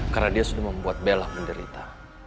karena dia sudah membuat bella menderita